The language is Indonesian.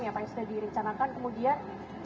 yang sudah direncanakan kemudian